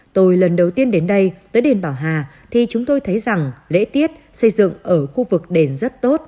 tôi lần đầu tiên đến đây tới đền bảo hà thì chúng tôi thấy rằng lễ tiết xây dựng ở khu vực đền rất tốt